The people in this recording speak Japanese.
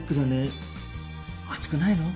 暑くないの？